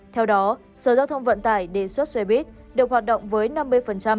theo đó sở giao thông vận tải đề xuất xe buýt được hoạt động với năm mươi biểu đồ chạy xe